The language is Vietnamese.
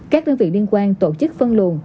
các đơn vị liên quan tổ chức phân luồn